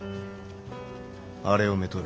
あれをめとれ。